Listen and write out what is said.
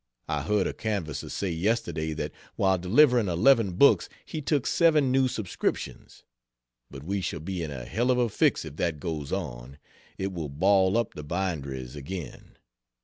I heard a canvasser say, yesterday, that while delivering eleven books he took 7 new subscriptions. But we shall be in a hell of a fix if that goes on it will "ball up" the binderies again.